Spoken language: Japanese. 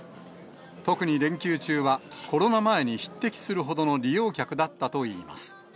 特に連休中は、コロナ前に匹敵するほどの利用客だったといいます。